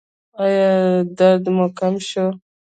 ایا درد مو کم شو؟